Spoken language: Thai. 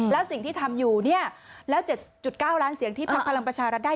แล้วสิ่งที่ทำอยู่เนี่ยแล้ว๗๙ล้านเสียงที่พักพลังประชารัฐได้